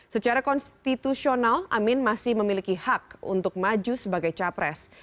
secara konstitusional amin masih memiliki hak untuk maju sebagai capres